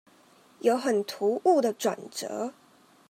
有很突兀的轉折